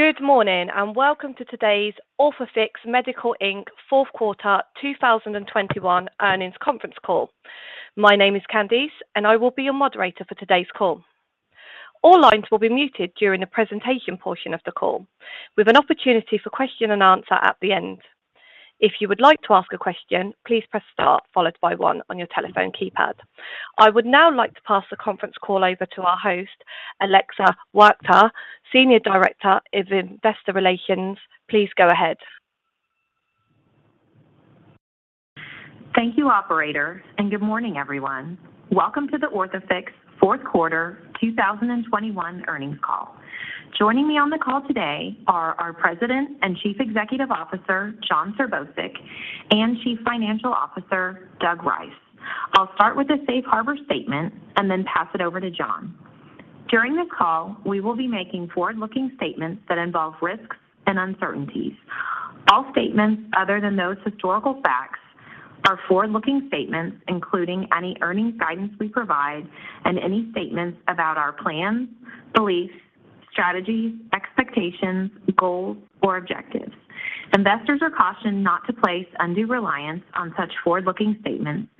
Good morning, and welcome to today's Orthofix Medical Inc. fourth quarter 2021 earnings conference call. My name is Candice, and I will be your moderator for today's call. All lines will be muted during the presentation portion of the call, with an opportunity for question and answer at the end. If you would like to ask a question, please press star followed by one on your telephone keypad. I would now like to pass the conference call over to our host, Alexa Huerta, Senior Director of Investor Relations. Please go ahead. Thank you, operator, and good morning, everyone. Welcome to the Orthofix fourth quarter 2021 earnings call. Joining me on the call today are our President and Chief Executive Officer, Jon Serbousek, and Chief Financial Officer, Doug Rice. I'll start with a safe harbor statement and then pass it over to Jon. During the call, we will be making forward-looking statements that involve risks and uncertainties. All statements other than those historical facts are forward-looking statements, including any earnings guidance we provide and any statements about our plans, beliefs, strategies, expectations, goals, or objectives. Investors are cautioned not to place undue reliance on such forward-looking statements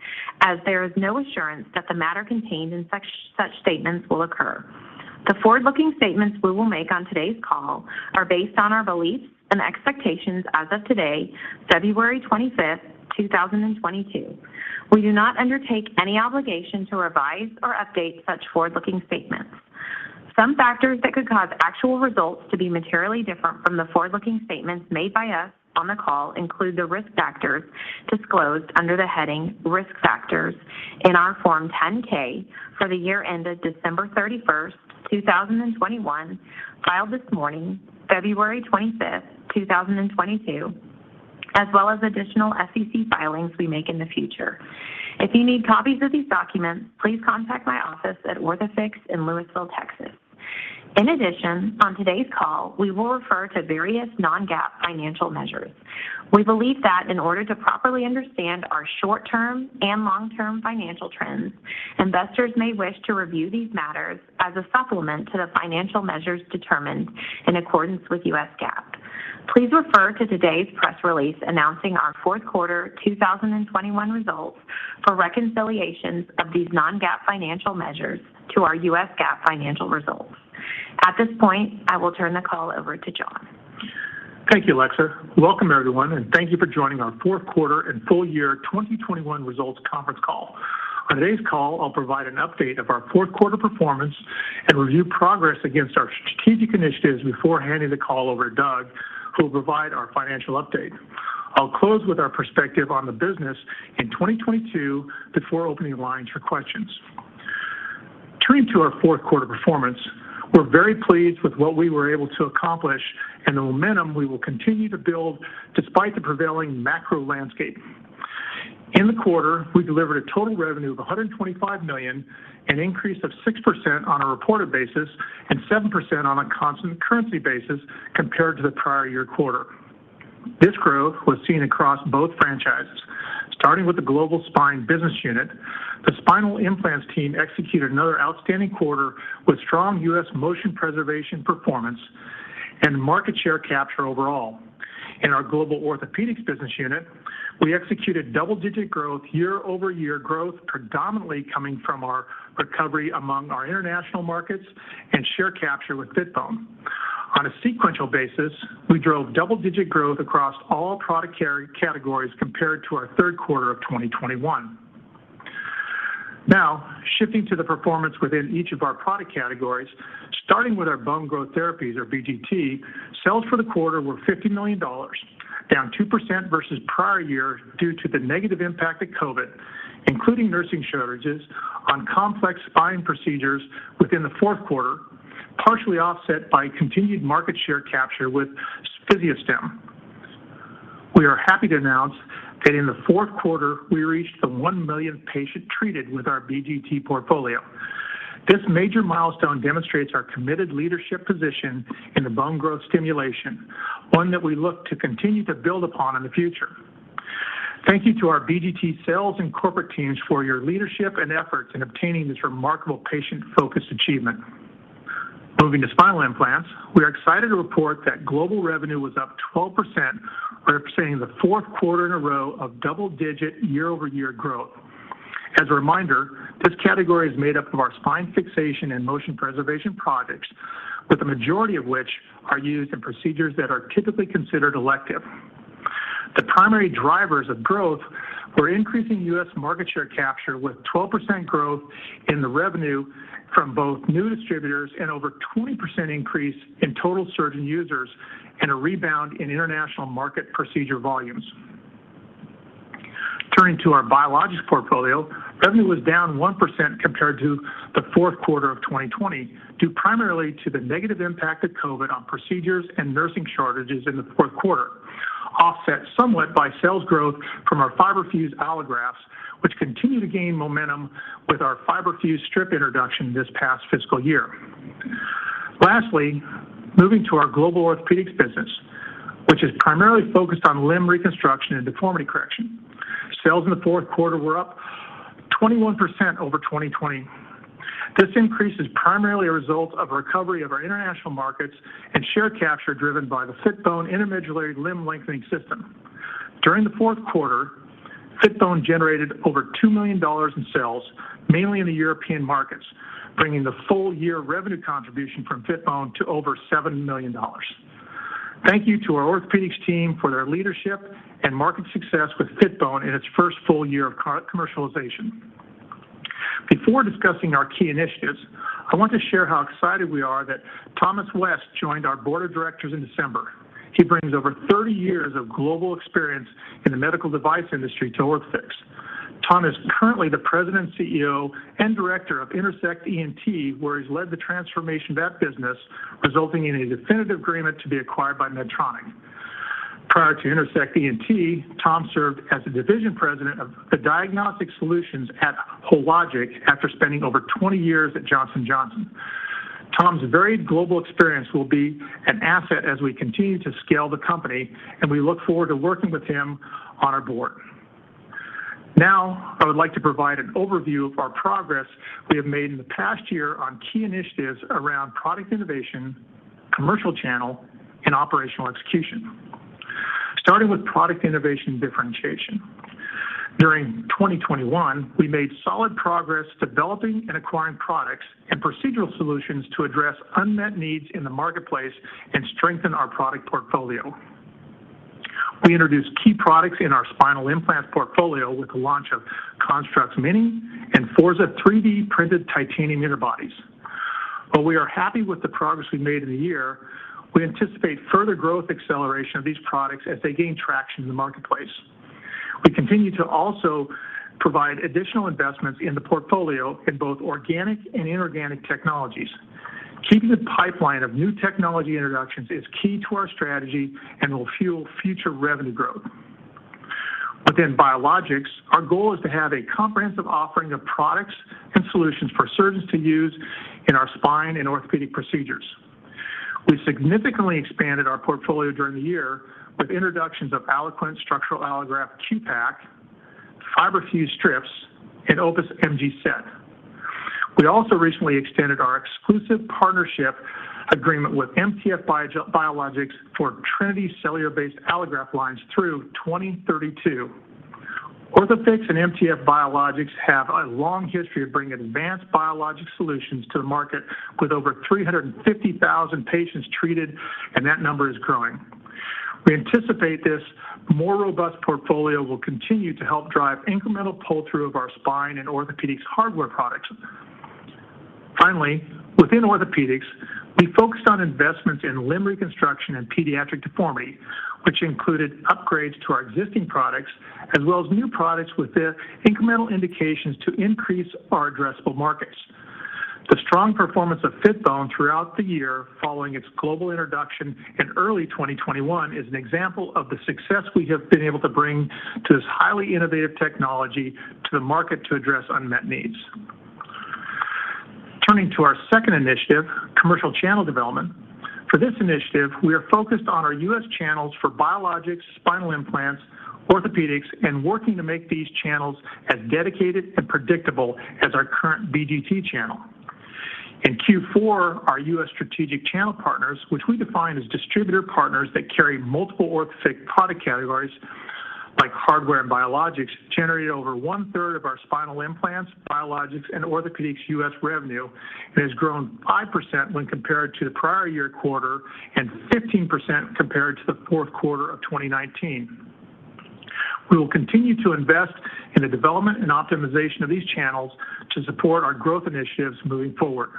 as there is no assurance that the matter contained in such statements will occur. The forward-looking statements we will make on today's call are based on our beliefs and expectations as of today, February 25, 2022. We do not undertake any obligation to revise or update such forward-looking statements. Some factors that could cause actual results to be materially different from the forward-looking statements made by us on the call include the risk factors disclosed under the heading Risk Factors in our Form 10-K for the year ended December 31, 2021, filed this morning, February 25, 2022, as well as additional SEC filings we make in the future. If you need copies of these documents, please contact my office at Orthofix in Lewisville, Texas. In addition, on today's call, we will refer to various non-GAAP financial measures. We believe that in order to properly understand our short-term and long-term financial trends, investors may wish to review these matters as a supplement to the financial measures determined in accordance with U.S. GAAP. Please refer to today's press release announcing our fourth quarter 2021 results for reconciliations of these non-GAAP financial measures to our U.S. GAAP financial results. At this point, I will turn the call over to Jon Serbousek. Thank you, Alexa. Welcome, everyone, and thank you for joining our fourth quarter and full year 2021 results conference call. On today's call, I'll provide an update of our fourth quarter performance and review progress against our strategic initiatives before handing the call over to Doug, who will provide our financial update. I'll close with our perspective on the business in 2022 before opening lines for questions. Turning to our fourth quarter performance, we're very pleased with what we were able to accomplish and the momentum we will continue to build despite the prevailing macro landscape. In the quarter, we delivered a total revenue of $125 million, an increase of 6% on a reported basis and 7% on a constant currency basis compared to the prior year quarter. This growth was seen across both franchises. Starting with the global spine business unit, the spinal implants team executed another outstanding quarter with strong U.S. motion preservation performance and market share capture overall. In our global orthopedics business unit, we executed double-digit growth, year-over-year growth predominantly coming from our recovery among our international markets and share capture with Fitbone. On a sequential basis, we drove double-digit growth across all product categories compared to our third quarter of 2021. Now, shifting to the performance within each of our product categories, starting with our bone growth therapies or BGT, sales for the quarter were $50 million, down 2% versus prior year due to the negative impact of COVID, including nursing shortages on complex spine procedures within the fourth quarter, partially offset by continued market share capture with PhysioStim. We are happy to announce that in the fourth quarter, we reached the 1 millionth patient treated with our BGT portfolio. This major milestone demonstrates our committed leadership position in the bone growth stimulation, one that we look to continue to build upon in the future. Thank you to our BGT sales and corporate teams for your leadership and efforts in obtaining this remarkable patient-focused achievement. Moving to spinal implants, we are excited to report that global revenue was up 12%, representing the fourth quarter in a row of double-digit year-over-year growth. As a reminder, this category is made up of our spine fixation and motion preservation products, with the majority of which are used in procedures that are typically considered elective. The primary drivers of growth were increasing U.S. market share capture with 12% growth in the revenue from both new distributors and over 20% increase in total surgeon users and a rebound in international market procedure volumes. Turning to our biologics portfolio, revenue was down 1% compared to the fourth quarter of 2020 due primarily to the negative impact of COVID on procedures and nursing shortages in the fourth quarter, offset somewhat by sales growth from our fiberFUSE allografts, which continue to gain momentum with our fiberFUSE strip introduction this past fiscal year. Lastly, moving to our global orthopedics business, which is primarily focused on limb reconstruction and deformity correction. Sales in the fourth quarter were up 21% over 2020. This increase is primarily a result of recovery of our international markets and share capture driven by the Fitbone intramedullary limb lengthening system. During the fourth quarter, Fitbone generated over $2 million in sales, mainly in the European markets, bringing the full year revenue contribution from Fitbone to over $7 million. Thank you to our orthopedics team for their leadership and market success with Fitbone in its first full year of commercialization. Before discussing our key initiatives, I want to share how excited we are that Thomas West joined our board of directors in December. He brings over 30 years of global experience in the medical device industry to Orthofix. Tom is currently the President, CEO, and Director of Intersect ENT, where he's led the transformation of that business, resulting in a definitive agreement to be acquired by Medtronic. Prior to Intersect ENT, Tom served as a Division President of the Diagnostic Solutions at Hologic after spending over 20 years at Johnson & Johnson. Tom's varied global experience will be an asset as we continue to scale the company, and we look forward to working with him on our board. Now, I would like to provide an overview of our progress we have made in the past year on key initiatives around product innovation, commercial channel, and operational execution. Starting with product innovation differentiation. During 2021, we made solid progress developing and acquiring products and procedural solutions to address unmet needs in the marketplace and strengthen our product portfolio. We introduced key products in our spinal implant portfolio with the launch of CONSTRUX Mini and FORZA 3D-printed titanium interbodies. While we are happy with the progress we made in the year, we anticipate further growth acceleration of these products as they gain traction in the marketplace. We continue to also provide additional investments in the portfolio in both organic and inorganic technologies. Keeping the pipeline of new technology introductions is key to our strategy and will fuel future revenue growth. Within biologics, our goal is to have a comprehensive offering of products and solutions for surgeons to use in our spine and orthopedic procedures. We significantly expanded our portfolio during the year with introductions of AlloQuent structural allograft Q-Pack, fiberFUSE Strips, and Opus MG Set. We also recently extended our exclusive partnership agreement with MTF Biologics for Trinity cellular-based allograft lines through 2032. Orthofix and MTF Biologics have a long history of bringing advanced biologic solutions to the market with over 350,000 patients treated, and that number is growing. We anticipate this more robust portfolio will continue to help drive incremental pull-through of our spine and orthopedics hardware products. Finally, within Orthopedics, we focused on investments in limb reconstruction and pediatric deformity, which included upgrades to our existing products as well as new products with the incremental indications to increase our addressable markets. The strong performance of Fitbone throughout the year following its global introduction in early 2021 is an example of the success we have been able to bring to this highly innovative technology to the market to address unmet needs. Turning to our second initiative, commercial channel development. For this initiative, we are focused on our U.S. channels for Biologics, Spinal Implants, Orthopedics, and working to make these channels as dedicated and predictable as our current BGT channel. In Q4, our U.S. strategic channel partners, which we define as distributor partners that carry multiple Orthofix product categories like hardware and biologics, generated over 1/3 of our spinal implants, biologics, and orthopedics U.S. revenue, and has grown 5% when compared to the prior year quarter and 15% compared to the fourth quarter of 2019. We will continue to invest in the development and optimization of these channels to support our growth initiatives moving forward.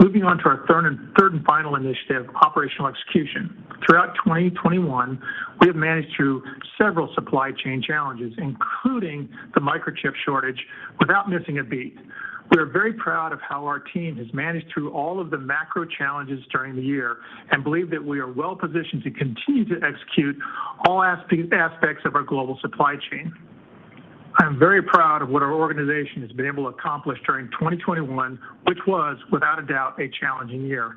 Moving on to our third and final initiative, operational execution. Throughout 2021, we have managed through several supply chain challenges, including the microchip shortage, without missing a beat. We are very proud of how our team has managed through all of the macro challenges during the year and believe that we are well-positioned to continue to execute all aspects of our global supply chain. I am very proud of what our organization has been able to accomplish during 2021, which was, without a doubt, a challenging year.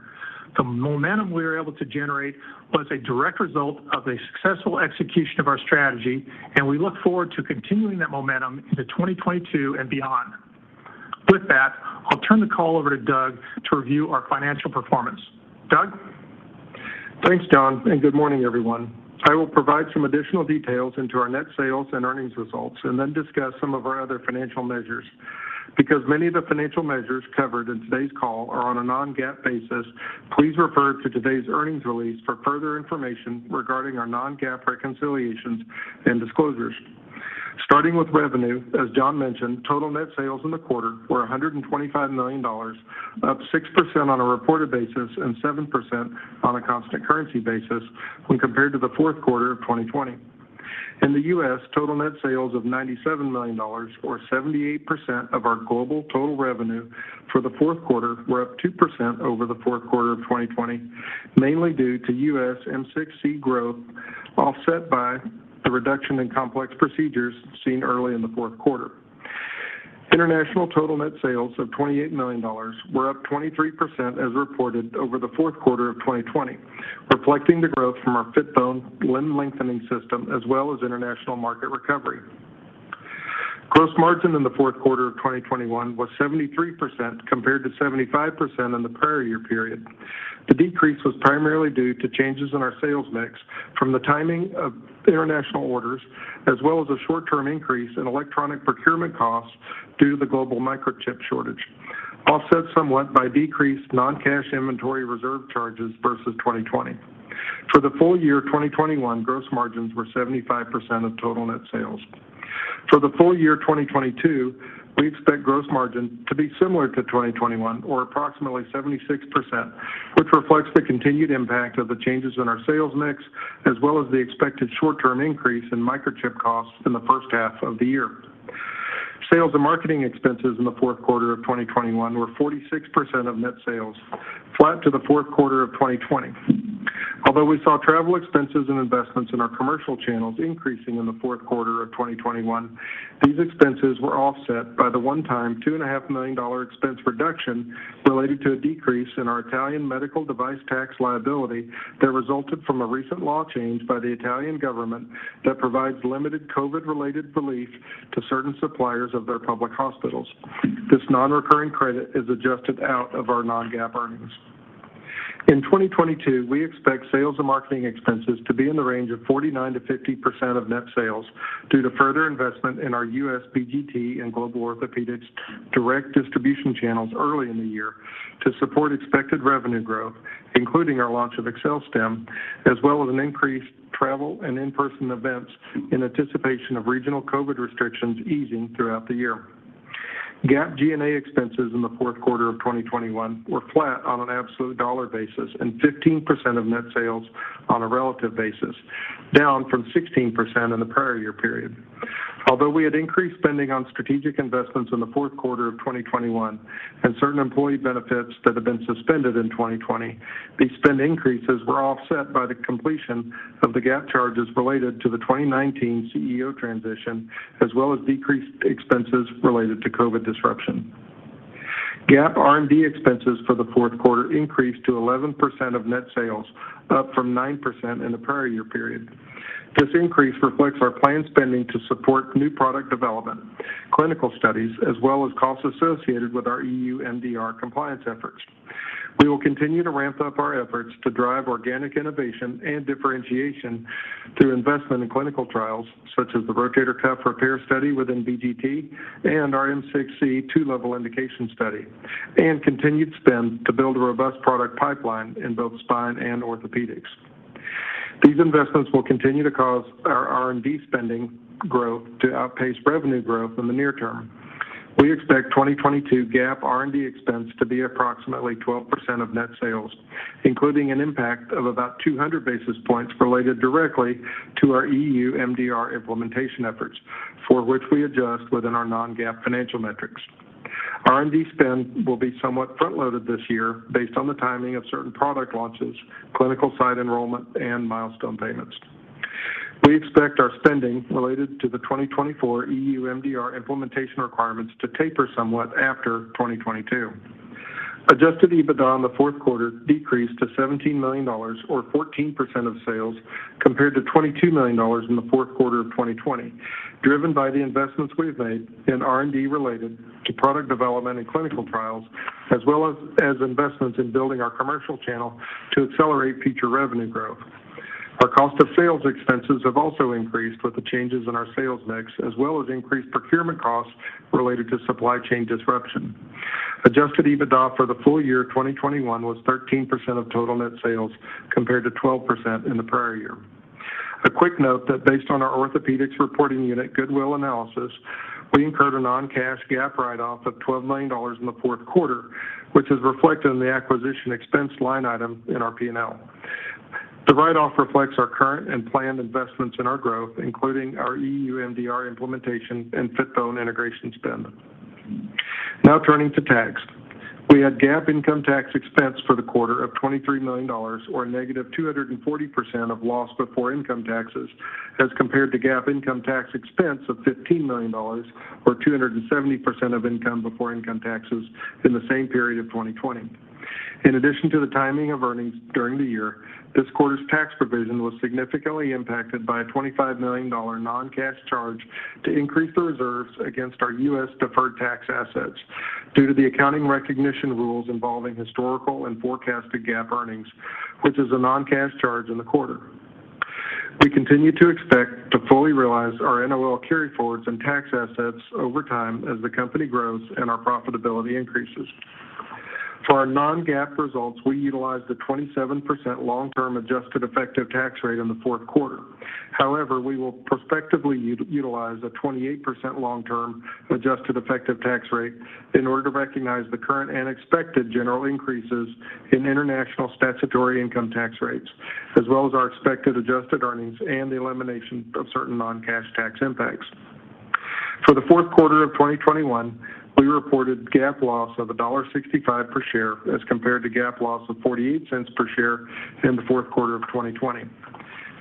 The momentum we were able to generate was a direct result of a successful execution of our strategy, and we look forward to continuing that momentum into 2022 and beyond. With that, I'll turn the call over to Doug to review our financial performance. Doug? Thanks, Jon, and good morning, everyone. I will provide some additional details into our net sales and earnings results and then discuss some of our other financial measures. Because many of the financial measures covered in today's call are on a non-GAAP basis, please refer to today's earnings release for further information regarding our non-GAAP reconciliations and disclosures. Starting with revenue, as Jon mentioned, total net sales in the quarter were $125 million, up 6% on a reported basis and 7% on a constant currency basis when compared to the fourth quarter of 2020. In the U.S., total net sales of $97 million or 78% of our global total revenue for the fourth quarter were up 2% over the fourth quarter of 2020, mainly due to U.S. M6-C growth, offset by the reduction in complex procedures seen early in the fourth quarter. International total net sales of $28 million were up 23% as reported over the fourth quarter of 2020, reflecting the growth from our Fitbone limb lengthening system, as well as international market recovery. Gross margin in the fourth quarter of 2021 was 73% compared to 75% in the prior year period. The decrease was primarily due to changes in our sales mix from the timing of international orders, as well as a short-term increase in electronic procurement costs due to the global microchip shortage, offset somewhat by decreased non-cash inventory reserve charges versus 2020. For the full year 2021, gross margins were 75% of total net sales. For the full year 2022, we expect gross margin to be similar to 2021 or approximately 76%, which reflects the continued impact of the changes in our sales mix, as well as the expected short-term increase in microchip costs in the first half of the year. Sales and marketing expenses in the fourth quarter of 2021 were 46% of net sales, flat to the fourth quarter of 2020. Although we saw travel expenses and investments in our commercial channels increasing in the fourth quarter of 2021, these expenses were offset by the one-time $2.5 million expense reduction related to a decrease in our Italian medical device tax liability that resulted from a recent law change by the Italian government that provides limited COVID-related relief to certain suppliers of their public hospitals. This non-recurring credit is adjusted out of our non-GAAP earnings. In 2022, we expect sales and marketing expenses to be in the range of 49%-50% of net sales due to further investment in our US BGT and global orthopedics direct distribution channels early in the year to support expected revenue growth, including our launch of AccelStim, as well as an increased travel and in-person events in anticipation of regional COVID restrictions easing throughout the year. GAAP G&A expenses in the fourth quarter of 2021 were flat on an absolute dollar basis and 15% of net sales on a relative basis, down from 16% in the prior year period. Although we had increased spending on strategic investments in the fourth quarter of 2021 and certain employee benefits that had been suspended in 2020, these spend increases were offset by the completion of the GAAP charges related to the 2019 CEO transition, as well as decreased expenses related to COVID disruption. GAAP R&D expenses for the fourth quarter increased to 11% of net sales, up from 9% in the prior year period. This increase reflects our planned spending to support new product development, clinical studies, as well as costs associated with our EU MDR compliance efforts. We will continue to ramp up our efforts to drive organic innovation and differentiation through investment in clinical trials, such as the rotator cuff repair study within BGT and our M6-C two-level indication study, and continued spend to build a robust product pipeline in both spine and orthopedics. These investments will continue to cause our R&D spending growth to outpace revenue growth in the near term. We expect 2022 GAAP R&D expense to be approximately 12% of net sales, including an impact of about 200 basis points related directly to our EU MDR implementation efforts, for which we adjust within our non-GAAP financial metrics. R&D spend will be somewhat front-loaded this year based on the timing of certain product launches, clinical site enrollment, and milestone payments. We expect our spending related to the 2024 EU MDR implementation requirements to taper somewhat after 2022. Adjusted EBITDA in the fourth quarter decreased to $17 million or 14% of sales compared to $22 million in the fourth quarter of 2020, driven by the investments we have made in R&D related to product development and clinical trials, as well as investments in building our commercial channel to accelerate future revenue growth. Our cost of sales expenses have also increased with the changes in our sales mix, as well as increased procurement costs related to supply chain disruption. Adjusted EBITDA for the full year 2021 was 13% of total net sales compared to 12% in the prior year. A quick note that based on our Orthopedics reporting unit goodwill analysis, we incurred a non-cash GAAP write-off of $12 million in the fourth quarter, which is reflected in the acquisition expense line item in our P&L. The write-off reflects our current and planned investments in our growth, including our EU MDR implementation and Fitbone integration spend. Now turning to tax. We had GAAP income tax expense for the quarter of $23 million or -240% of loss before income taxes as compared to GAAP income tax expense of $15 million or 270% of income before income taxes in the same period of 2020. In addition to the timing of earnings during the year, this quarter's tax provision was significantly impacted by a $25 million non-cash charge to increase the reserves against our U.S. deferred tax assets due to the accounting recognition rules involving historical and forecasted GAAP earnings, which is a non-cash charge in the quarter. We continue to expect to fully realize our NOL carryforwards and tax assets over time as the company grows and our profitability increases. For our non-GAAP results, we utilized a 27% long-term adjusted effective tax rate in the fourth quarter. However, we will prospectively utilize a 28% long-term adjusted effective tax rate in order to recognize the current and expected general increases in international statutory income tax rates, as well as our expected adjusted earnings and the elimination of certain non-cash tax impacts. For the fourth quarter of 2021, we reported GAAP loss of $1.65 per share as compared to GAAP loss of $0.48 per share in the fourth quarter of 2020.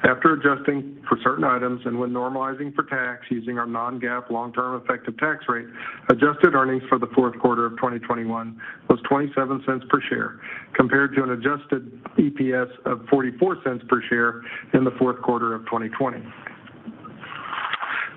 After adjusting for certain items and when normalizing for tax using our non-GAAP long-term effective tax rate, adjusted earnings for the fourth quarter of 2021 was $0.27 per share compared to an adjusted EPS of $0.44 per share in the fourth quarter of 2020.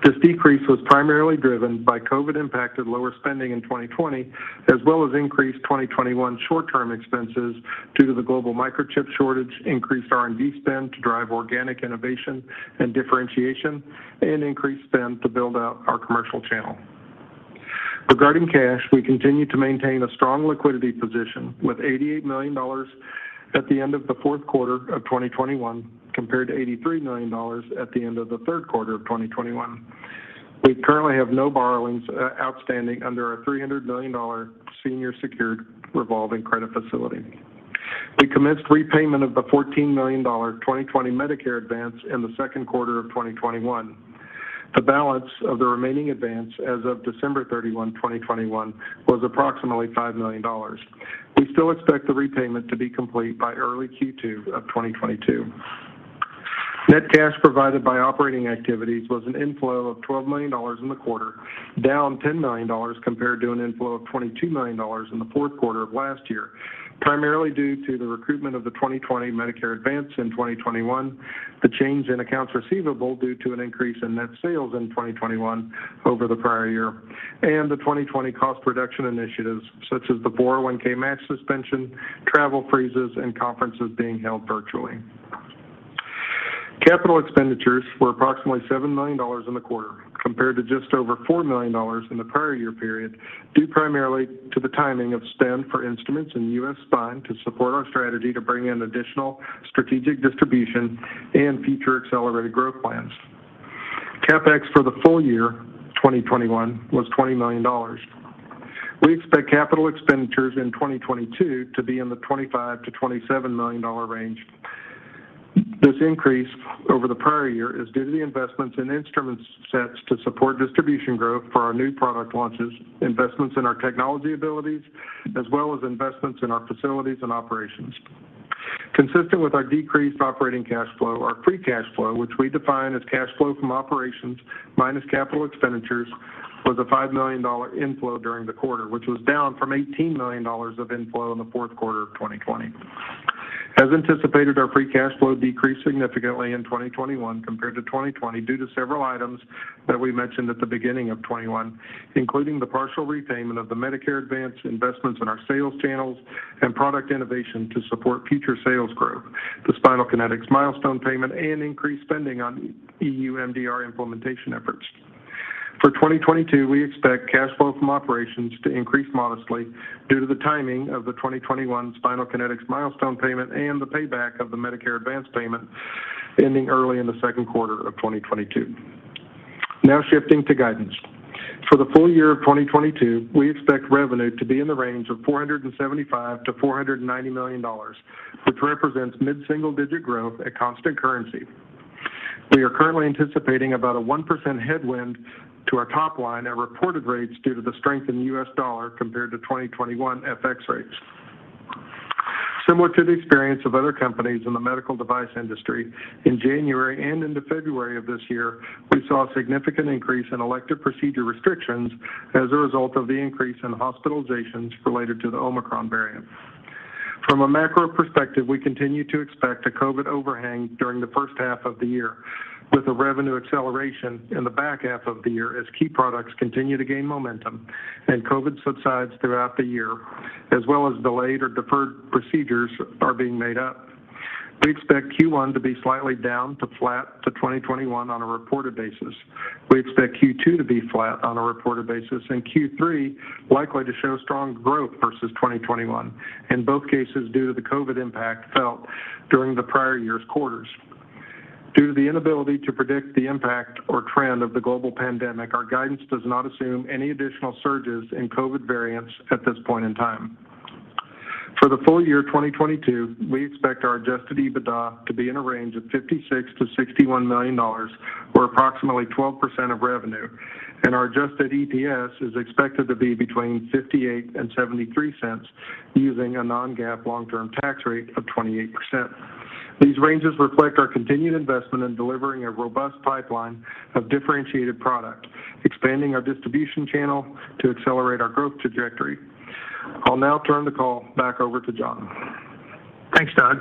This decrease was primarily driven by COVID impacted lower spending in 2020 as well as increased 2021 short-term expenses due to the global microchip shortage, increased R&D spend to drive organic innovation and differentiation, and increased spend to build out our commercial channel. Regarding cash, we continue to maintain a strong liquidity position with $88 million at the end of the fourth quarter of 2021 compared to $83 million at the end of the third quarter of 2021. We currently have no borrowings outstanding under our $300 million senior secured revolving credit facility. We commenced repayment of the $14 million 2021 Medicare advance in the second quarter of 2021. The balance of the remaining advance as of December 31, 2021 was approximately $5 million. We still expect the repayment to be complete by early Q2 of 2022. Net cash provided by operating activities was an inflow of $12 million in the quarter, down $10 million compared to an inflow of $22 million in the fourth quarter of last year, primarily due to the recoupment of the 2020 Medicare advance in 2021, the change in accounts receivable due to an increase in net sales in 2021 over the prior year, and the 2020 cost reduction initiatives such as the 401(k) match suspension, travel freezes, and conferences being held virtually. Capital expenditures were approximately $7 million in the quarter compared to just over $4 million in the prior year period due primarily to the timing of spend for instruments in U.S. Spine to support our strategy to bring in additional strategic distribution and future accelerated growth plans. CapEx for the full year, 2021, was $20 million. We expect capital expenditures in 2022 to be in the $25 million-$27 million range. This increase over the prior year is due to the investments in instrument sets to support distribution growth for our new product launches, investments in our technology abilities, as well as investments in our facilities and operations. Consistent with our decreased operating cash flow, our free cash flow, which we define as cash flow from operations minus capital expenditures, was a $5 million inflow during the quarter, which was down from $18 million of inflow in the fourth quarter of 2020. As anticipated, our free cash flow decreased significantly in 2021 compared to 2020 due to several items that we mentioned at the beginning of 2021, including the partial repayment of the Medicare advance, investments in our sales channels and product innovation to support future sales growth, the Spinal Kinetics milestone payment, and increased spending on EU MDR implementation efforts. For 2022, we expect cash flow from operations to increase modestly due to the timing of the 2021 Spinal Kinetics milestone payment and the payback of the Medicare advance payment ending early in the second quarter of 2022. Now shifting to guidance. For the full year of 2022, we expect revenue to be in the range of $475 million-$490 million, which represents mid-single-digit growth at constant currency. We are currently anticipating about a 1% headwind to our top line at reported rates due to the strength in the U.S. dollar compared to 2021 FX rates. Similar to the experience of other companies in the medical device industry, in January and into February of this year, we saw a significant increase in elective procedure restrictions as a result of the increase in hospitalizations related to the Omicron variant. From a macro perspective, we continue to expect a COVID overhang during the first half of the year, with a revenue acceleration in the back half of the year as key products continue to gain momentum and COVID subsides throughout the year, as well as delayed or deferred procedures are being made up. We expect Q1 to be slightly down to flat to 2021 on a reported basis. We expect Q2 to be flat on a reported basis, and Q3 likely to show strong growth versus 2021. In both cases, due to the COVID impact felt during the prior year's quarters. Due to the inability to predict the impact or trend of the global pandemic, our guidance does not assume any additional surges in COVID variants at this point in time. For the full year 2022, we expect our adjusted EBITDA to be in a range of $56 million-$61 million, or approximately 12% of revenue, and our adjusted EPS is expected to be between $0.58-$0.73 using a non-GAAP long-term tax rate of 28%. These ranges reflect our continued investment in delivering a robust pipeline of differentiated product, expanding our distribution channel to accelerate our growth trajectory. I'll now turn the call back over to Jon. Thanks, Doug.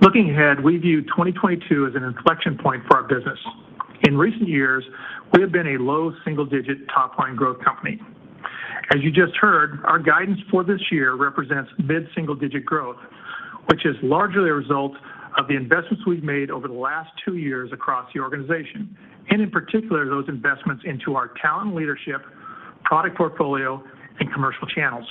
Looking ahead, we view 2022 as an inflection point for our business. In recent years, we have been a low single-digit top line growth company. As you just heard, our guidance for this year represents mid single-digit growth, which is largely a result of the investments we've made over the last two years across the organization. In particular, those investments into our talent leadership, product portfolio, and commercial channels.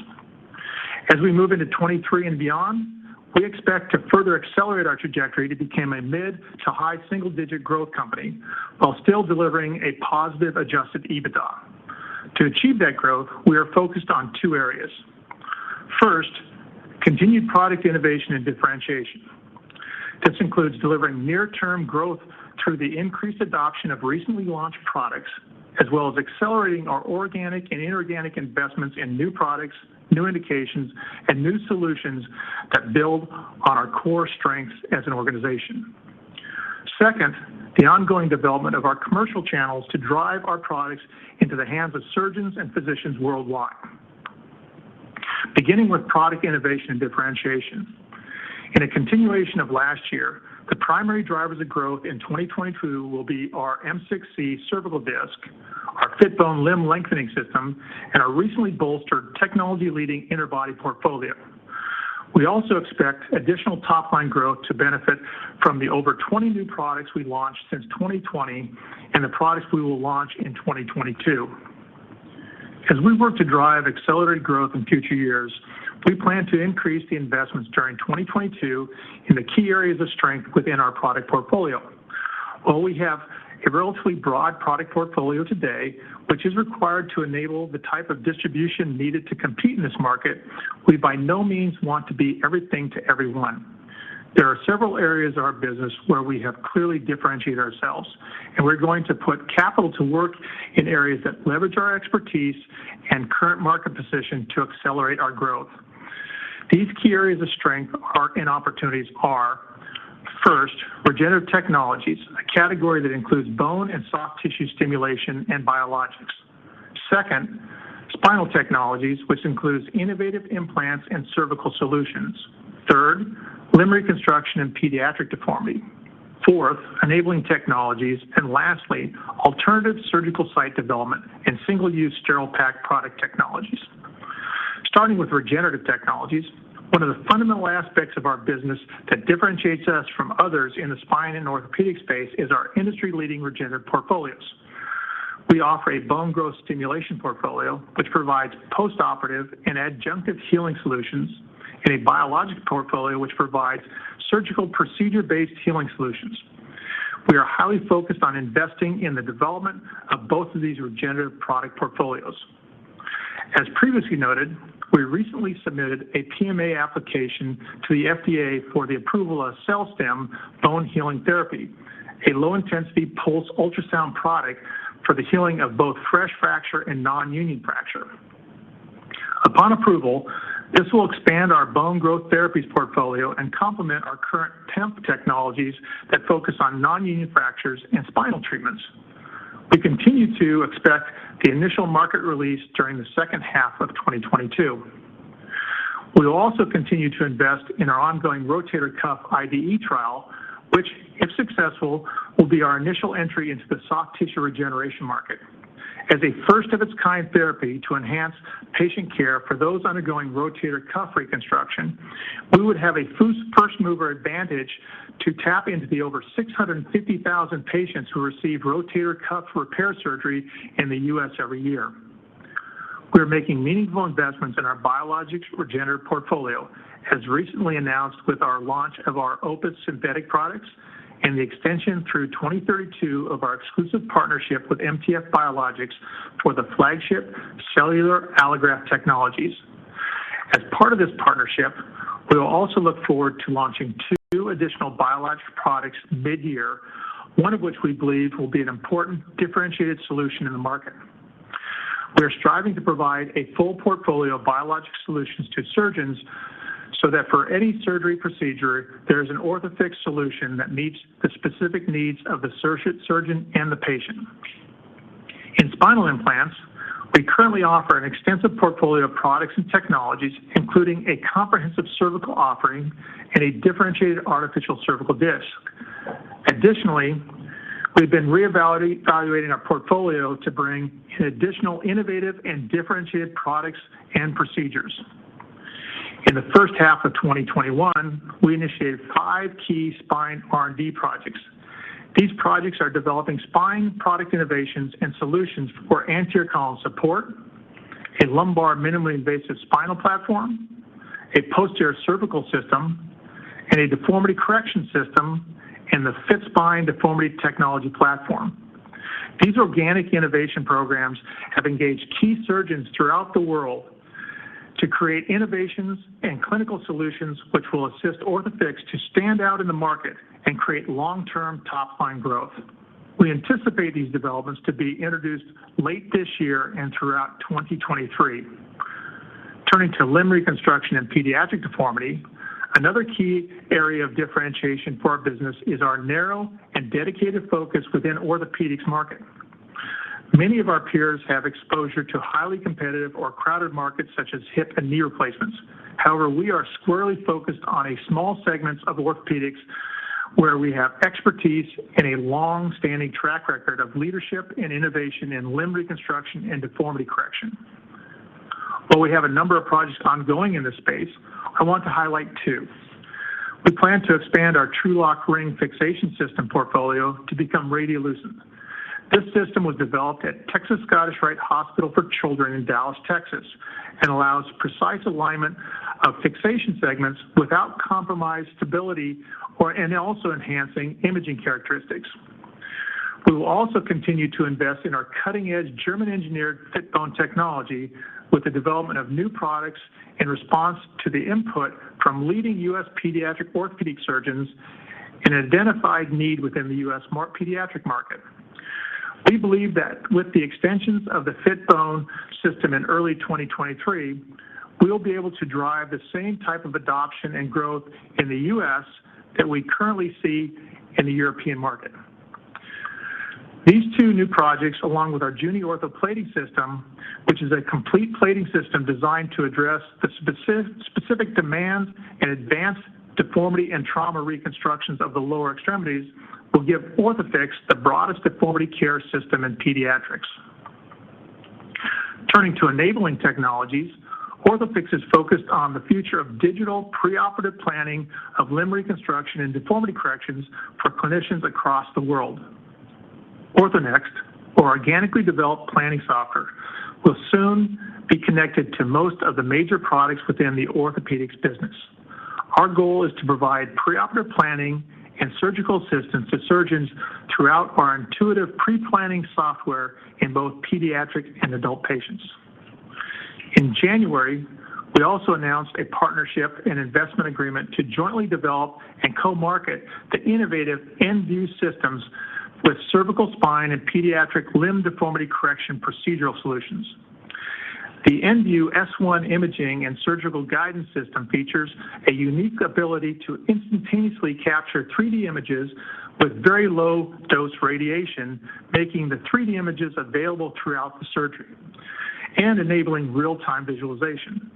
As we move into 2023 and beyond, we expect to further accelerate our trajectory to become a mid to high single digit growth company while still delivering a positive adjusted EBITDA. To achieve that growth, we are focused on two areas. First, continued product innovation and differentiation. This includes delivering near-term growth through the increased adoption of recently launched products, as well as accelerating our organic and inorganic investments in new products, new indications, and new solutions that build on our core strengths as an organization. Second, the ongoing development of our commercial channels to drive our products into the hands of surgeons and physicians worldwide. Beginning with product innovation and differentiation. In a continuation of last year, the primary drivers of growth in 2022 will be our M6-C cervical disc, our Fitbone limb lengthening system, and our recently bolstered technology-leading interbody portfolio. We also expect additional top-line growth to benefit from the over 20 new products we launched since 2020 and the products we will launch in 2022. As we work to drive accelerated growth in future years, we plan to increase the investments during 2022 in the key areas of strength within our product portfolio. While we have a relatively broad product portfolio today, which is required to enable the type of distribution needed to compete in this market, we by no means want to be everything to everyone. There are several areas of our business where we have clearly differentiated ourselves, and we're going to put capital to work in areas that leverage our expertise and current market position to accelerate our growth. These key areas of strength and opportunities are, first, regenerative technologies, a category that includes bone and soft tissue stimulation and biologics. Second, spinal technologies, which includes innovative implants and cervical solutions. Third, limb reconstruction and pediatric deformity. Fourth, enabling technologies. Lastly, alternative surgical site development and single-use sterile packed product technologies. Starting with regenerative technologies, one of the fundamental aspects of our business that differentiates us from others in the spine and orthopedic space is our industry-leading regenerative portfolios. We offer a bone growth stimulation portfolio, which provides postoperative and adjunctive healing solutions, and a biologic portfolio which provides surgical procedure-based healing solutions. We are highly focused on investing in the development of both of these regenerative product portfolios. As previously noted, we recently submitted a PMA application to the FDA for the approval of AccelStim bone healing therapy, a low-intensity pulse ultrasound product for the healing of both fresh fracture and nonunion fracture. Upon approval, this will expand our bone growth therapies portfolio and complement our current PEMF technologies that focus on nonunion fractures and spinal treatments. We continue to expect the initial market release during the second half of 2022. We will also continue to invest in our ongoing rotator cuff IDE trial, which, if successful, will be our initial entry into the soft tissue regeneration market. As a first of its kind therapy to enhance patient care for those undergoing rotator cuff reconstruction, we would have a first mover advantage to tap into the over 650,000 patients who receive rotator cuff repair surgery in the U.S. every year. We're making meaningful investments in our biologics regenerative portfolio, as recently announced with our launch of our Opus synthetic products and the extension through 2032 of our exclusive partnership with MTF Biologics for the flagship cellular allograft technologies. As part of this partnership, we will also look forward to launching two additional biologics products mid-year, one of which we believe will be an important differentiated solution in the market. We are striving to provide a full portfolio of biologic solutions to surgeons, so that for any surgery procedure, there is an Orthofix solution that meets the specific needs of the surgeon and the patient. In spinal implants, we currently offer an extensive portfolio of products and technologies, including a comprehensive cervical offering and a differentiated artificial cervical disc. Additionally, we've been evaluating our portfolio to bring in additional innovative and differentiated products and procedures. In the first half of 2021, we initiated five key spine R&D projects. These projects are developing spine product innovations and solutions for anterior column support, a lumbar minimally invasive spinal platform, a posterior cervical system, and a deformity correction system, and the FITSPINE deformity technology platform. These organic innovation programs have engaged key surgeons throughout the world to create innovations and clinical solutions which will assist Orthofix to stand out in the market and create long-term top-line growth. We anticipate these developments to be introduced late this year and throughout 2023. Turning to limb reconstruction and pediatric deformity, another key area of differentiation for our business is our narrow and dedicated focus within orthopedics market. Many of our peers have exposure to highly competitive or crowded markets such as hip and knee replacements. However, we are squarely focused on a small segment of orthopedics where we have expertise and a long-standing track record of leadership and innovation in limb reconstruction and deformity correction. While we have a number of projects ongoing in this space, I want to highlight two. We plan to expand our TrueLok ring fixation system portfolio to become radiolucent. This system was developed at Texas Scottish Rite Hospital for Children in Dallas, Texas, and allows precise alignment of fixation segments without compromised stability and also enhancing imaging characteristics. We will also continue to invest in our cutting-edge German-engineered Fitbone technology with the development of new products in response to the input from leading U.S. pediatric orthopedic surgeons and identified need within the U.S. pediatric market. We believe that with the extensions of the Fitbone system in early 2023, we'll be able to drive the same type of adoption and growth in the U.S. that we currently see in the European market. These two new projects, along with our JUNIORTHO plating system, which is a complete plating system designed to address the specific demands and advanced deformity and trauma reconstructions of the lower extremities, will give Orthofix the broadest deformity care system in pediatrics. Turning to enabling technologies, Orthofix is focused on the future of digital preoperative planning of limb reconstruction and deformity corrections for clinicians across the world. OrthoNext, our organically developed planning software, will soon be connected to most of the major products within the orthopedics business. Our goal is to provide preoperative planning and surgical assistance to surgeons throughout our intuitive pre-planning software in both pediatric and adult patients. In January, we also announced a partnership and investment agreement to jointly develop and co-market the innovative nView systems with cervical spine and pediatric limb deformity correction procedural solutions. The nView S1 imaging and surgical guidance system features a unique ability to instantaneously capture 3D images with very low dose radiation, making the 3D images available throughout the surgery and enabling real-time visualization.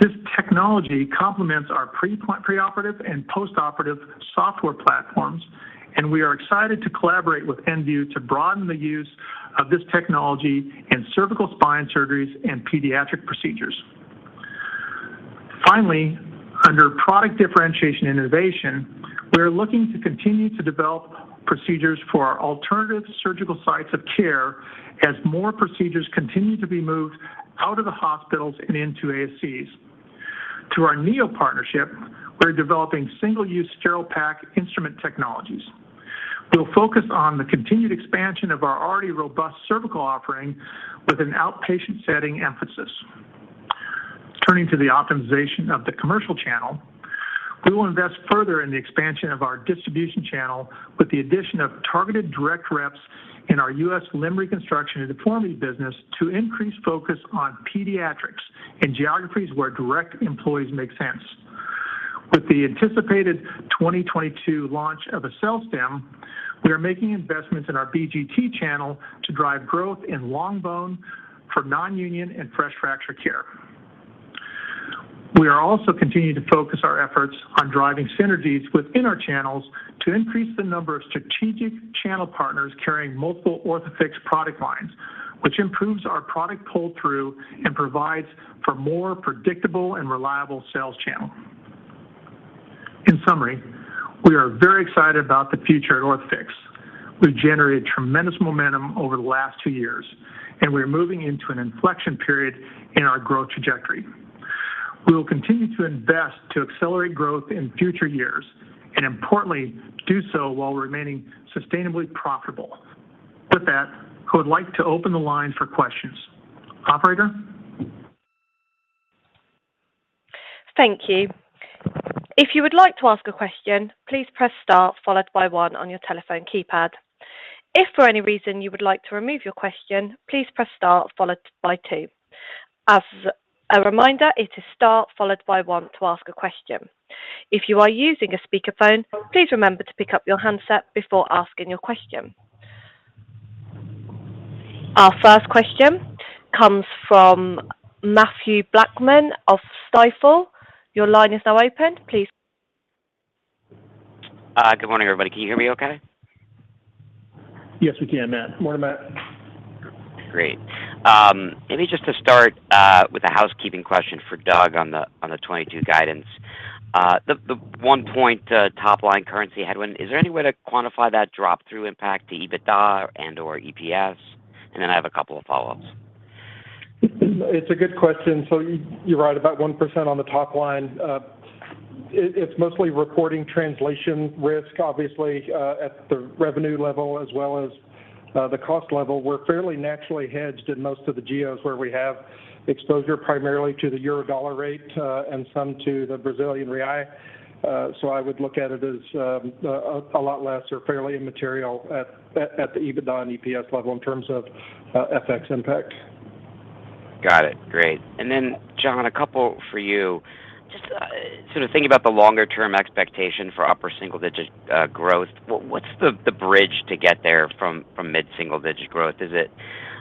This technology complements our preoperative and postoperative software platforms, and we are excited to collaborate with nView to broaden the use of this technology in cervical spine surgeries and pediatric procedures. Finally, under product differentiation innovation, we're looking to continue to develop procedures for our alternative surgical sites of care as more procedures continue to be moved out of the hospitals and into ASCs. Through our Neo partnership, we're developing single-use sterile pack instrument technologies. We'll focus on the continued expansion of our already robust cervical offering with an outpatient setting emphasis. Turning to the optimization of the commercial channel, we will invest further in the expansion of our distribution channel with the addition of targeted direct reps in our U.S. limb reconstruction and deformity business to increase focus on pediatrics in geographies where direct employees make sense. With the anticipated 2022 launch of AccelStim, we are making investments in our BGT channel to drive growth in long bone for non-union and fresh fracture care. We are also continuing to focus our efforts on driving synergies within our channels to increase the number of strategic channel partners carrying multiple Orthofix product lines, which improves our product pull-through and provides for more predictable and reliable sales channel. In summary, we are very excited about the future at Orthofix. We've generated tremendous momentum over the last two years, and we're moving into an inflection period in our growth trajectory. We will continue to invest to accelerate growth in future years, and importantly, do so while remaining sustainably profitable. With that, I would like to open the line for questions. Operator? Our first question comes from Matthew Blackman of Stifel. Your line is now open. Please- Good morning, everybody. Can you hear me okay? Yes, we can, Matt. Morning, Matt. Great. Maybe just to start with a housekeeping question for Doug on the 2022 guidance. The 1-point top line currency headwind, is there any way to quantify that drop through impact to EBITDA and/or EPS? Then I have a couple of follow-ups. It's a good question. You're right about 1% on the top line. It's mostly reporting translation risk, obviously, at the revenue level as well as the cost level. We're fairly naturally hedged in most of the geos where we have exposure primarily to the euro dollar rate, and some to the Brazilian real. I would look at it as a lot less or fairly immaterial at the EBITDA and EPS level in terms of FX impact. Got it. Great. Jon, a couple for you. Just, sort of thinking about the longer term expectation for upper single-digit growth, what's the bridge to get there from mid single-digit growth? Is it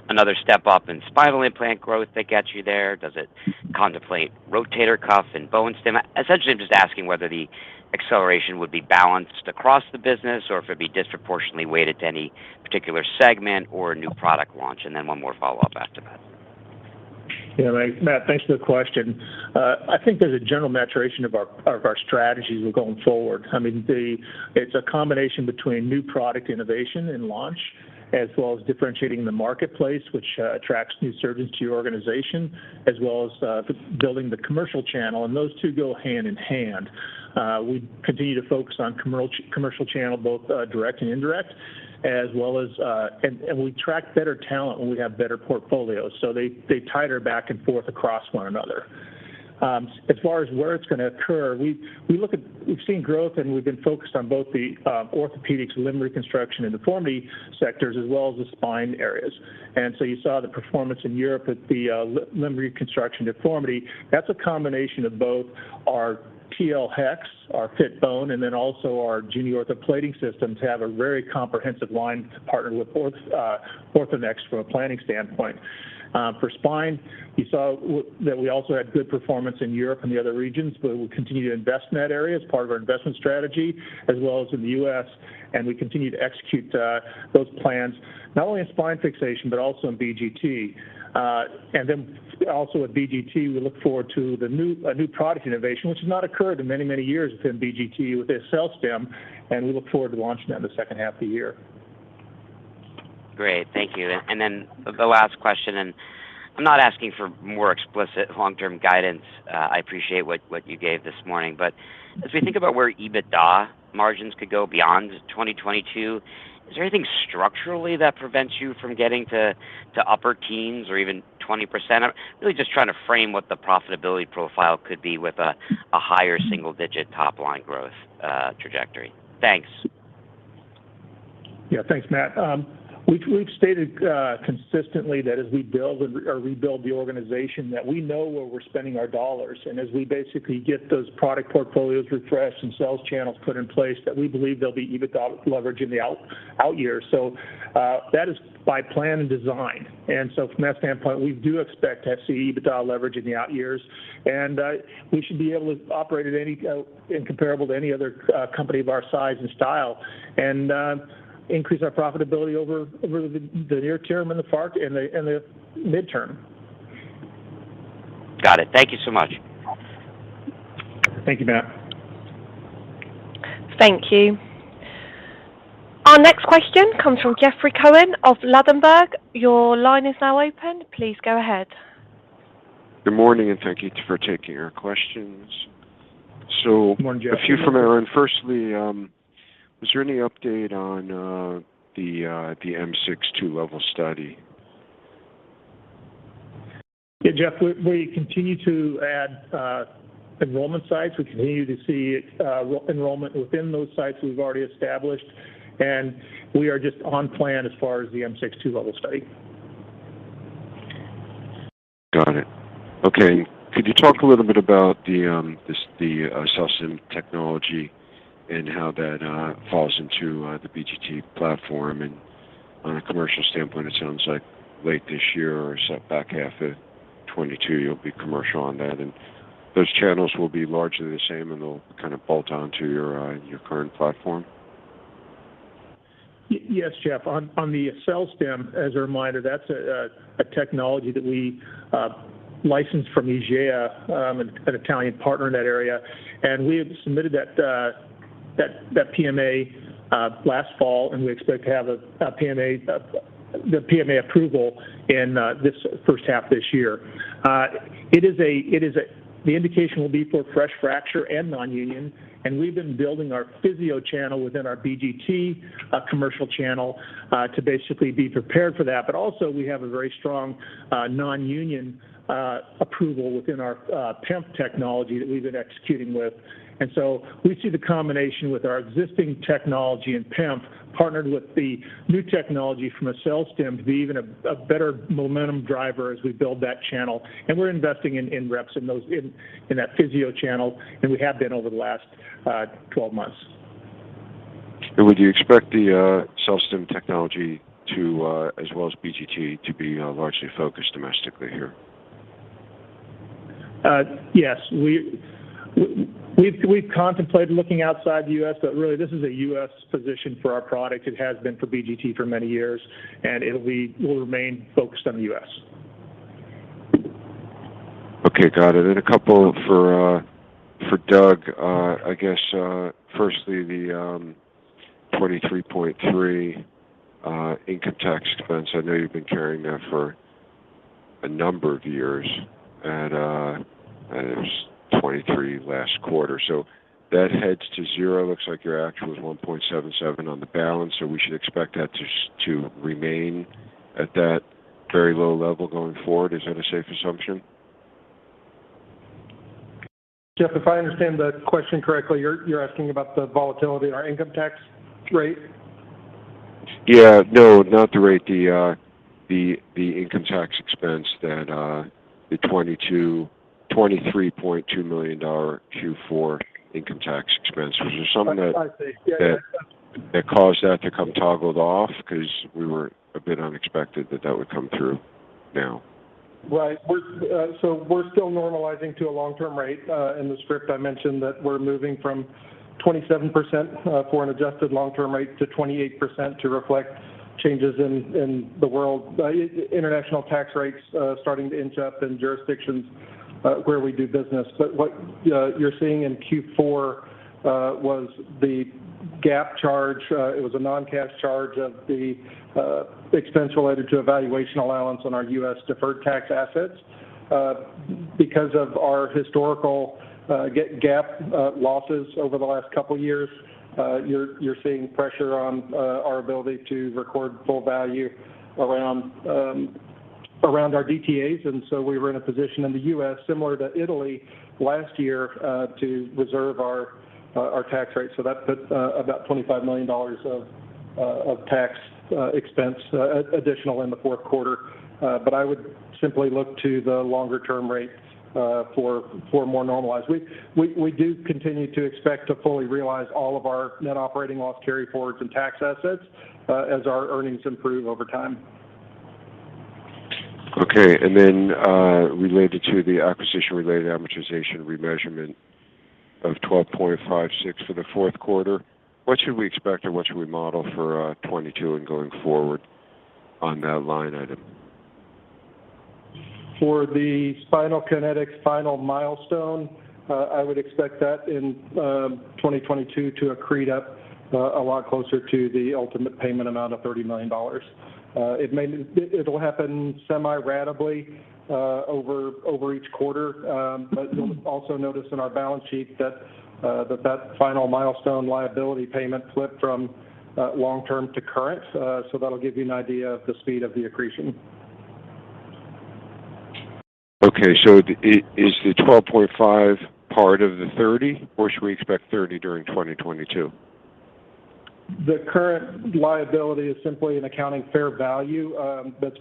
another step up in spinal implant growth that gets you there? Does it contemplate rotator cuff and bone stim? Essentially, I'm just asking whether the acceleration would be balanced across the business or if it'd be disproportionately weighted to any particular segment or a new product launch. One more follow-up after that. Yeah. Matt, thanks for the question. I think there's a general maturation of our strategies going forward. It's a combination between new product innovation and launch as well as differentiating the marketplace, which attracts new surgeons to your organization, as well as building the commercial channel. Those two go hand in hand. We continue to focus on commercial channel, both direct and indirect. We track better talent when we have better portfolios. They tie together back and forth across one another. As far as where it's gonna occur, we've seen growth and we've been focused on both the orthopedics limb reconstruction and deformity sectors, as well as the spine areas. You saw the performance in Europe with the limb reconstruction deformity. That's a combination of both our TL-HEX, our Fitbone, and then also our JuniOrtho plating systems have a very comprehensive line to partner with OrthoNext from a planning standpoint. For spine, you saw that we also had good performance in Europe and the other regions, but we'll continue to invest in that area as part of our investment strategy, as well as in the U.S., and we continue to execute those plans not only in spine fixation, but also in BGT. With BGT, we look forward to a new product innovation, which has not occurred in many, many years within BGT with the AccelStim, and we look forward to launching that in the second half of the year. Great. Thank you. The last question, and I'm not asking for more explicit long-term guidance. I appreciate what you gave this morning. As we think about where EBITDA margins could go beyond 2022, is there anything structurally that prevents you from getting to upper teens or even 20%? I'm really just trying to frame what the profitability profile could be with a higher single digit top line growth trajectory. Thanks. Yeah. Thanks, Matt. We've stated consistently that as we build or rebuild the organization, that we know where we're spending our dollars. As we basically get those product portfolios refreshed and sales channels put in place, that we believe there'll be EBITDA leverage in the out years. That is by plan and design. From that standpoint, we do expect to have EBITDA leverage in the out years. We should be able to operate at a cost comparable to any other company of our size and style and increase our profitability over the near term and the far and the midterm. Got it. Thank you so much. Thank you, Matt. Thank you. Our next question comes from Jeffrey Cohen of Ladenburg Thalmann. Your line is now open. Please go ahead. Good morning, and thank you for taking our questions. Good morning, Jeff. A few from Aaron. Firstly, is there any update on the M6 two-level study? Yeah, Jeff, we continue to add enrollment sites. We continue to see enrollment within those sites we've already established, and we are just on plan as far as the M6 two-level study. Got it. Okay. Could you talk a little bit about the AccelStim technology and how that falls into the BGT platform? On a commercial standpoint, it sounds like late this year or so back half of 2022, you'll be commercial on that. Those channels will be largely the same, and they'll kind of bolt on to your current platform. Yes, Jeff. On the AccelStim, as a reminder, that's a technology that we licensed from IGEA, an Italian partner in that area. We had submitted that PMA last fall, and we expect to have a PMA approval in this first half this year. The indication will be for fresh fracture and non-union, and we've been building our PhysioStim channel within our BGT commercial channel to basically be prepared for that. Also we have a very strong non-union approval within our PEMF technology that we've been executing with. We see the combination with our existing technology in PEMF partnered with the new technology from AccelStim to be even a better momentum driver as we build that channel. We're investing in reps in that physio channel, and we have been over the last 12 months. Would you expect the AccelStim technology to, as well as BGT to be, largely focused domestically here? Yes. We've contemplated looking outside the U.S., but really this is a U.S. position for our product. It has been for BGT for many years, and it'll be. We'll remain focused on the U.S. Okay. Got it. A couple for Doug. I guess firstly, the $23.3 income tax expense. I know you've been carrying that for a number of years and it was $23 last quarter. That heads to zero. Looks like your actual was $1.77 on the balance, so we should expect that to remain at that very low level going forward. Is that a safe assumption? Jeff, if I understand the question correctly, you're asking about the volatility in our income tax rate? Yeah. No, not the rate. The income tax expense that the $22.2 million Q4 income tax expense. Was there something that- I see. Yeah. That caused that to come toggled off? Because we were a bit unexpected that that would come through now. Right. We're still normalizing to a long-term rate. In the script, I mentioned that we're moving from 27% for an adjusted long-term rate to 28% to reflect changes in the world, international tax rates starting to inch up in jurisdictions. Where we do business. What you're seeing in Q4 was the GAAP charge. It was a non-cash charge of the expense related to a valuation allowance on our U.S. deferred tax assets. Because of our historical GAAP losses over the last couple years, you're seeing pressure on our ability to record full value around our DTAs. We were in a position in the U.S. similar to Italy last year to reserve our tax rate. That put about $25 million of tax expense additional in the fourth quarter. I would simply look to the longer-term rates for more normalized. We do continue to expect to fully realize all of our net operating loss carryforwards and tax assets, as our earnings improve over time. Okay. Related to the acquisition-related amortization remeasurement of $12.56 for the fourth quarter, what should we expect or what should we model for, 2022 and going forward on that line item? For the Spinal Kinetics final milestone, I would expect that in 2022 to accrete up a lot closer to the ultimate payment amount of $30 million. It'll happen semi-ratably over each quarter. You'll also notice in our balance sheet that the final milestone liability payment flipped from long-term to current. That'll give you an idea of the speed of the accretion. Okay. It is the 12.5 part of the 30, or should we expect 30 during 2022? The current liability is simply an accounting fair value that's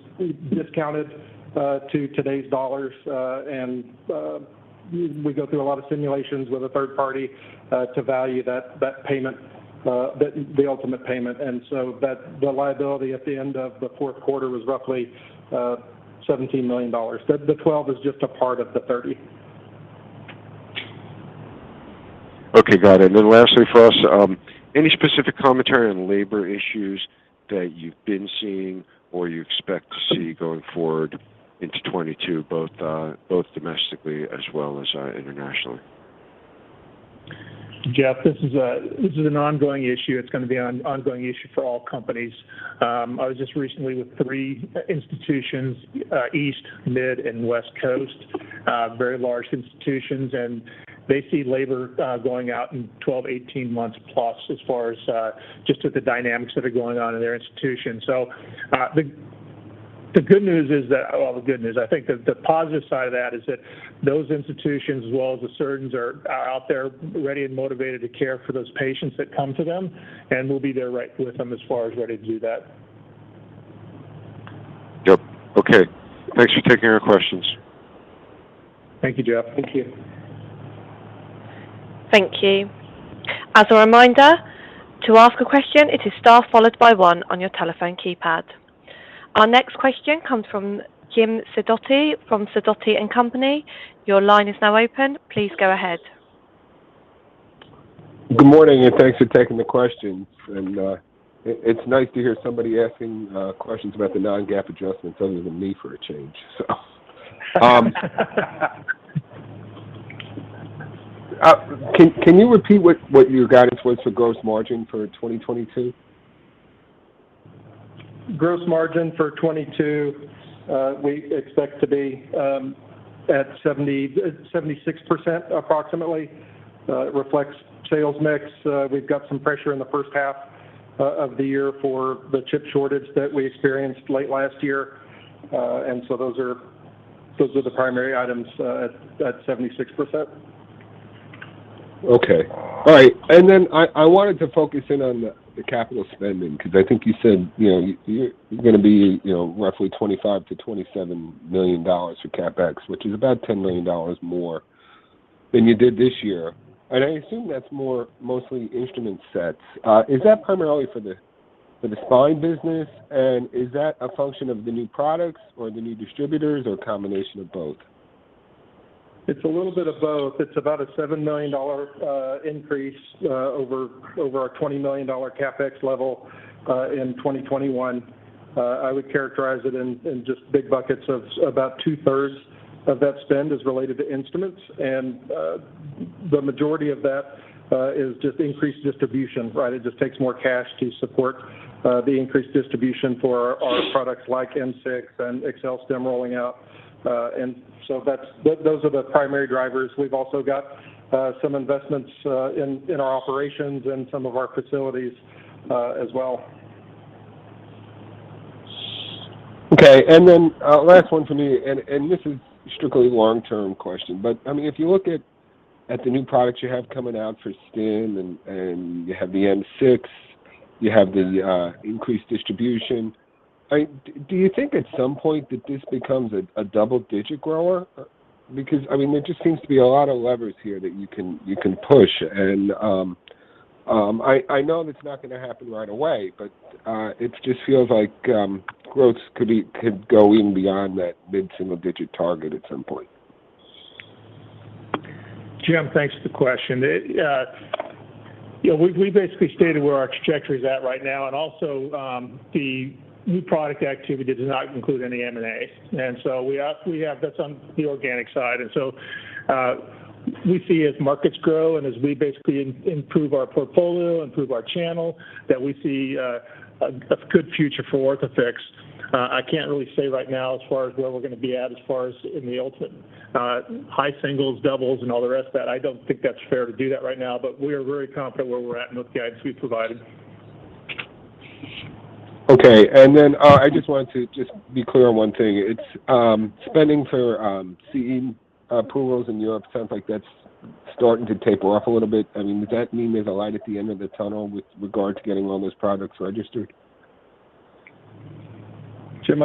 discounted to today's dollars. We go through a lot of simulations with a third party to value that payment, the ultimate payment. That's the liability at the end of the fourth quarter was roughly $17 million. The $12 is just a part of the $30. Okay. Got it. Lastly for us, any specific commentary on labor issues that you've been seeing or you expect to see going forward into 2022, both domestically as well as internationally? Jeff, this is an ongoing issue. It's gonna be an ongoing issue for all companies. I was just recently with three institutions, East, Mid., and West Coast, very large institutions, and they see labor going out in 12-18 months plus as far as just with the dynamics that are going on in their institution. The good news is that I think the positive side of that is that those institutions as well as the surgeons are out there ready and motivated to care for those patients that come to them, and we'll be there right with them as far as ready to do that. Yep. Okay. Thanks for taking our questions. Thank you, Jeff. Thank you. Thank you. As a reminder, to ask a question, it is star followed by one on your telephone keypad. Our next question comes from Jim Sidoti from Sidoti & Company. Your line is now open. Please go ahead. Good morning, and thanks for taking the questions. It's nice to hear somebody asking questions about the non-GAAP adjustments other than me for a change. Can you repeat what your guidance was for gross margin for 2022? Gross margin for 2022, we expect to be at 76% approximately. It reflects sales mix. We've got some pressure in the first half of the year for the chip shortage that we experienced late last year. Those are the primary items at 76%. Okay. All right. I wanted to focus in on the capital spending because I think you said, you know, you're gonna be, you know, roughly $25 million-$27 million for CapEx, which is about $10 million more than you did this year. I assume that's more mostly instrument sets. Is that primarily for the spine business? Is that a function of the new products or the new distributors or a combination of both? It's a little bit of both. It's about a $7 million increase over our $20 million CapEx level in 2021. I would characterize it in just big buckets of about two-thirds of that spend is related to instruments. The majority of that is just increased distribution, right? It just takes more cash to support the increased distribution for our products like M6 and AccelStim rolling out. Those are the primary drivers. We've also got some investments in our operations and some of our facilities as well. Okay. Last one for me, and this is a strictly long-term question. I mean, if you look at the new products you have coming out for spine and you have the M6, you have the increased distribution. I mean, do you think at some point that this becomes a double-digit grower? Because I mean, there just seems to be a lot of levers here that you can push. I know that's not gonna happen right away, but it just feels like growth could go beyond that mid-single digit target at some point. Jim, thanks for the question. We basically stated where our trajectory is at right now. The new product activity does not include any M&A. We have that on the organic side. We see as markets grow and as we basically improve our portfolio, improve our channel, that we see a good future for Orthofix. I can't really say right now as far as where we're gonna be at as far as in the ultimate high singles, doubles, and all the rest of that. I don't think that's fair to do that right now. We are very confident where we're at and with the guidance we've provided. Okay. I just wanted to be clear on one thing. It's spending for CE approvals in Europe, sounds like that's starting to taper off a little bit. I mean, does that mean there's a light at the end of the tunnel with regard to getting all those products registered? Jim,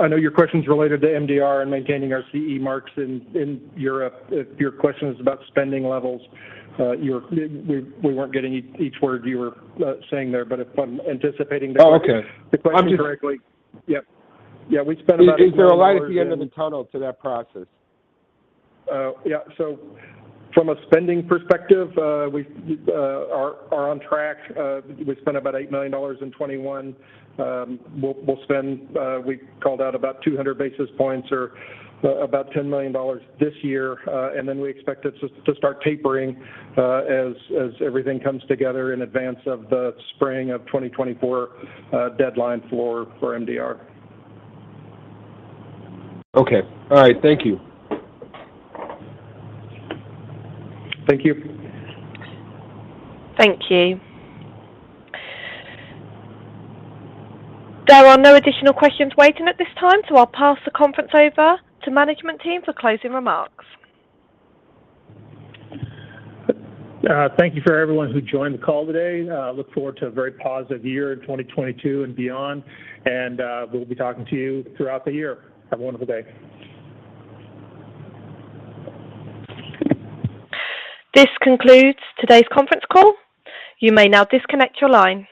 I know your question is related to MDR and maintaining our CE marks in Europe. If your question is about spending levels, we weren't getting each word you were saying there, but if I'm anticipating the question- Oh, okay. Correctly. Yep. Yeah, we spent about $8 million. Is there a light at the end of the tunnel to that process? Yeah. From a spending perspective, we are on track. We spent about $8 million in 2021. We'll spend as we called out, about 200 basis points or about $10 million this year. We expect it to start tapering as everything comes together in advance of the spring of 2024 deadline for MDR. Okay. All right. Thank you. Thank you. Thank you. There are no additional questions waiting at this time, so I'll pass the conference over to management team for closing remarks. Thank you to everyone who joined the call today. We look forward to a very positive year in 2022 and beyond. We'll be talking to you throughout the year. Have a wonderful day. This concludes today's conference call. You may now disconnect your line.